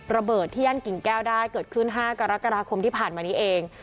ระเบิดที่ย่านกิ่งแก้วได้เกิดขึ้น๕กรกฎาคมที่ผ่านมานี้เอง